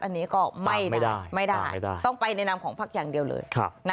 อันนี้ก็ไม่ได้ต้องไปในนามของพักอย่างเดียวเลย